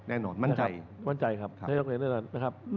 แล้วมั่นใจครับ